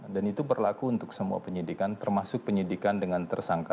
dan itu berlaku untuk semua penyidikan termasuk penyidikan dengan tersangka